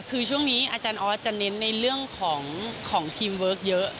คือช่วงนี้อาจารย์ออสจะเน้นในเรื่องของทีมเวิร์คเยอะ